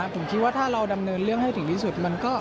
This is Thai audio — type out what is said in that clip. ผมคิดว่าถ้าเราดำเนินเรื่องให้ถึงที่สุด